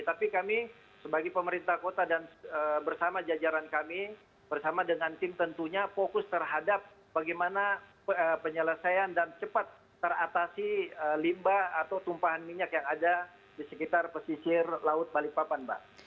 tapi kami sebagai pemerintah kota dan bersama jajaran kami bersama dengan tim tentunya fokus terhadap bagaimana penyelesaian dan cepat teratasi limbah atau tumpahan minyak yang ada di sekitar pesisir laut balikpapan mbak